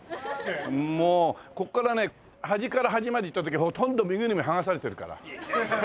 もうここからね端から端まで行った時ほとんど身ぐるみ剥がされてるから。